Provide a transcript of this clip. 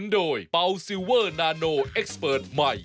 ความภาษาใดที่ดี